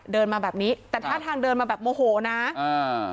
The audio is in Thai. เดินมาแบบนี้แต่ท่าทางเดินมาแบบโมโหนะอ่า